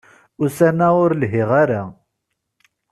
Ussan-a, ur lhiɣ ara.